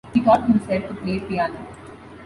He taught himself to play piano.